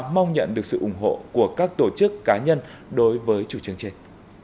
mong nhận được sự ủng hộ của các tổ chức cá nhân đối với chủ trương trên